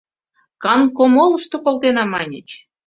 Канткомолышто «колтена» маньыч.